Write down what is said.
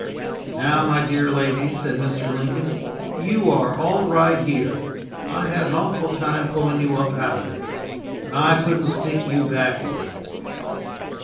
"Now, my dear lady," said Mr. Lincoln. "You are all right here. I had an awful time pulling you up out of there, and I couldn't stick you back again!"